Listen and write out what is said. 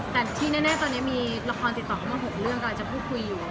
แต่ที่แน่ตอนนี้มีละครติดต่อเข้ามา๖เรื่องกำลังจะพูดคุยอยู่